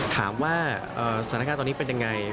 ถามว่าสถานการณ์ตอนนี้เป็นยังไง